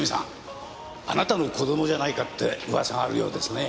あなたの子供じゃないかって噂があるようですね。